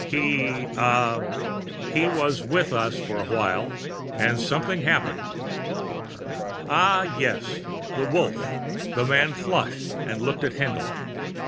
He uh he was with us for a while and something happened." "Ah, yes. The Wolf." The man flushed and looked at Haendl.